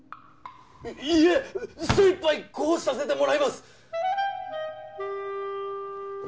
いいえ精いっぱいご奉仕させてもらいます！